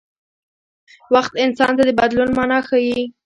وخت انسان ته د بدلون مانا ښيي.